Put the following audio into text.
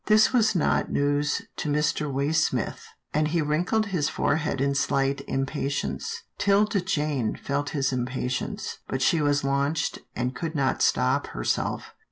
This was not news to Mr. Waysmith, and he wrinkled his forehead in slight impatience. 'Tilda Jane felt his impatience, but she was launched, and could not stop herself.